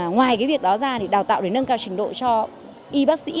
ngoài cái việc đó ra thì đào tạo để nâng cao trình độ cho y bác sĩ